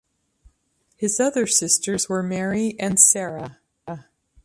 His other sisters were Mary and Sarah.